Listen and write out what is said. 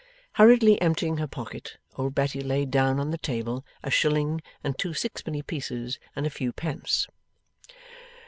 Hurriedly emptying her pocket, old Betty laid down on the table, a shilling, and two sixpenny pieces, and a few pence.